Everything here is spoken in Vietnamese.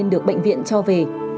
được bệnh viện cho về